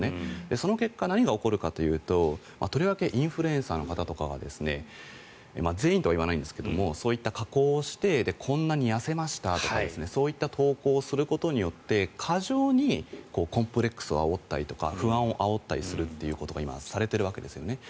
その結果、何が起こるかというととりわけインフルエンサーの方とか全員とは言わないですがそういった加工をしてこんなに痩せましたとかそういった投稿をすることによって過剰にコンプレックスをあおったりとか不安をあおってたりするということが今、されているわけですよね。